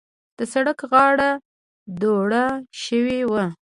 د سړک غاړه دوړه شوې وه.